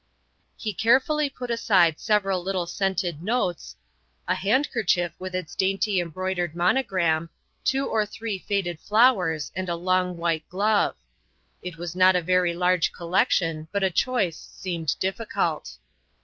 He carefully put aside several little scented notes; a handkerchief with its dainty embroidered monogram; two or three faded flowers and a long white glove. It was not a very large collection, but a choice seemed difficult.